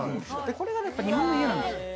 これが日本の家なんですよ。